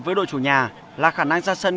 với đội chủ nhà là khả năng ra sân